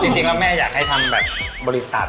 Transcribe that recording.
จริงแล้วแม่อยากให้ทำแบบบริษัท